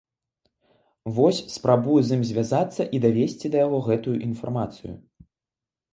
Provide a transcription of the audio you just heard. Вось, спрабую з ім звязацца і давесці да яго гэтую інфармацыю.